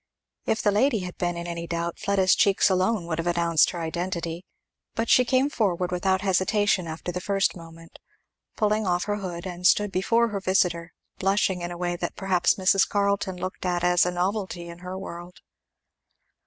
If the lady had been in any doubt, Fleda's cheeks alone would have announced her identity. But she came forward without hesitation after the first moment, pulling off her hood, and stood before her visiter, blushing in a way that perhaps Mrs. Carleton looked at as a novelty in her world.